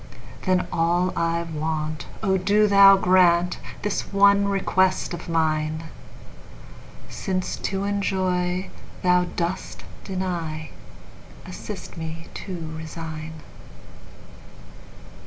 Then all I want—O do Thou grantThis one request of mine!—Since to enjoy Thou dost deny, Assist me to resign.